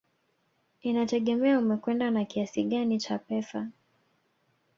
Inategemea umekwenda na kiasi gani cha pesa